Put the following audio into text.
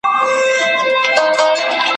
زما له مخي دوې مچکي واخلي بیره ځغلي ,